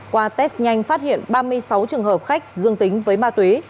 qua test nhanh phát hiện ba mươi sáu trường hợp khách dương tính với ma túy